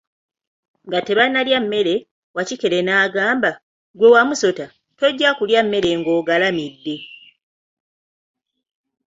Nga tebannalya mmere, Wakikere yagamba, ggwe Wamusota, tojja kulya mmere ng'ogalamidde.